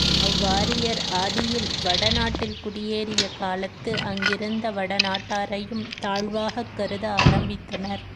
அவ்வாரியர் ஆதியில் வட நாட்டில் குடியேறிய காலத்து அங்கிருந்த வட நாட்டாரையும் தாழ்வாகக் கருத ஆரம்பித்தனர்.